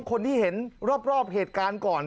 คนที่เห็นรอบเหตุการณ์ก่อน